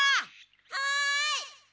はい！